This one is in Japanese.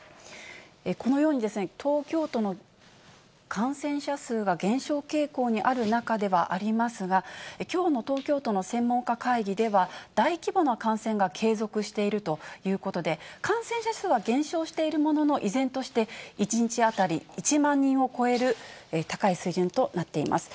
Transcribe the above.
このように、東京都の感染者数が減少傾向にある中ではありますが、きょうの東京都の専門家会議では、大規模な感染が継続しているということで、感染者数は減少しているものの、依然として１日当たり１万人を超える高い水準となっています。